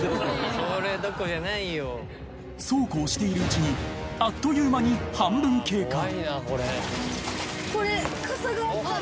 ［そうこうしているうちにあっという間に半分経過］